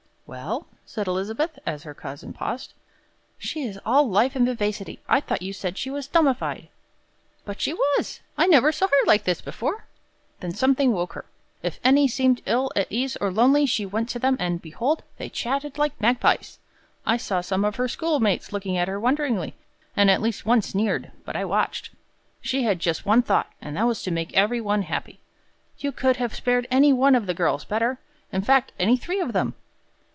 "Well?" said Elizabeth, as her cousin paused. "She is all life and vivacity. I thought you said she was 'dummified.'" "But she was. I never saw her like this before." "Then something woke her. If any seemed ill at ease or lonely, she went to them, and, behold, they chatted like magpies! I saw some of her schoolmates look at her wonderingly, and at least one sneered, but I watched. She had just one thought, and that was to make every one happy. You could have spared any one of the girls better; in fact, any three of them."